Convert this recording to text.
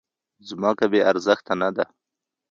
ځمکه بې ارزښته نه ده.